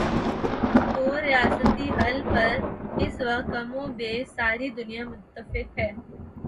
دو ریاستی حل پر اس وقت کم و بیش ساری دنیا متفق ہے۔